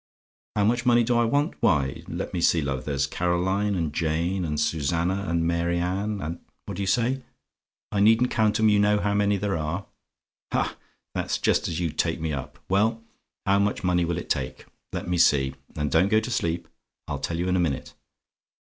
"HOW MUCH MONEY DO I WANT? "Why, let me see, love. There's Caroline, and Jane, and Susannah, and Mary Anne, and What do you say? "I NEEDN'T COUNT 'EM; YOU KNOW HOW MANY THERE ARE? "Ha! that's just as you take me up. Well, how much money will it take? Let me see; and don't go to sleep. I'll tell you in a minute.